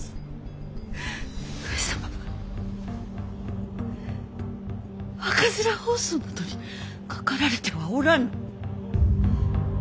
上様は赤面疱瘡などかかられてはおらぬ。